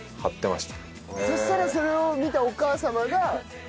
そしたらそれを見たお母様が。